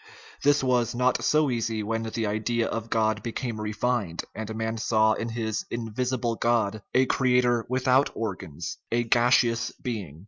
This was not so easy when the idea of God became refined, and man saw in his "invisible God" a creator without organs a gas eous being.